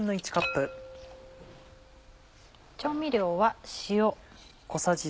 調味料は塩。